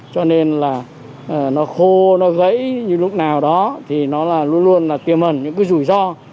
cho nên là nó khô nó gãy như lúc nào đó thì nó là luôn luôn là tiềm ẩn những cái rủi ro